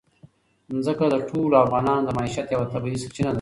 ځمکه د ټولو افغانانو د معیشت یوه طبیعي سرچینه ده.